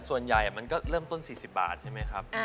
มันก็เริ่มต้น๔๐บาทใช่ไหมครับ